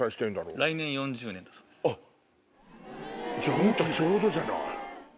あんたちょうどじゃない。